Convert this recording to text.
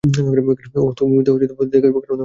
ওহ, তুমি দেখতে পাওনি কারণ তুমি দেখতেই চাওনি।